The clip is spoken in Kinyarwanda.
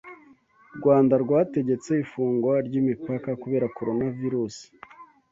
Rwanda rwategetse ifungwa ry’imipaka kubera coronavirus